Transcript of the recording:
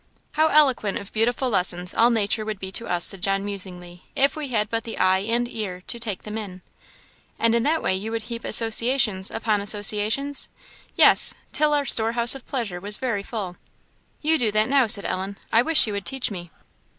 "How eloquent of beautiful lessons all nature would be to us," said John, musingly, "if we had but the eye and the ear to take them in!" "And in that way you would heap associations upon associations?" "Yes; till our storehouse of pleasure was very full." "You do that now," said Ellen. "I wish you would teach me."